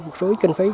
một số kinh phí